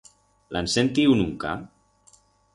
L'han sentiu nunca?